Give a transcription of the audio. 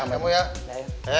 ya sudah ya